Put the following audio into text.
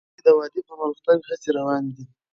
افغانستان کې د وادي د پرمختګ هڅې روانې دي.